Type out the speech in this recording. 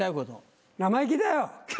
生意気だよ！